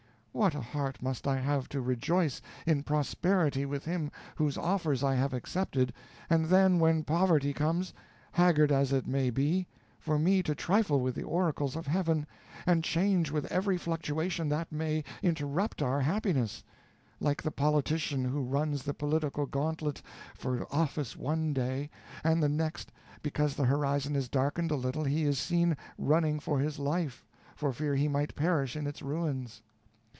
What a heart must I have to rejoice in prosperity with him whose offers I have accepted, and then, when poverty comes, haggard as it may be, for me to trifle with the oracles of Heaven, and change with every fluctuation that may interrupt our happiness like the politician who runs the political gantlet for office one day, and the next day, because the horizon is darkened a little, he is seen running for his life, for fear he might perish in its ruins.